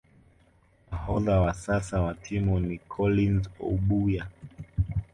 Nahodha wa sasa wa timu ni Collins Obuya